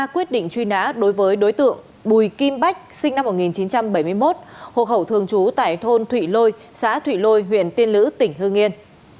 quyết định truy nã đối với đối tượng bùi kim bách sinh năm một nghìn chín trăm bảy mươi một hộ khẩu thường trú tại thôn thụy lôi xã thụy lôi huyện tiên lữ tỉnh hương yên